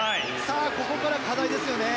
ここから課題ですよね。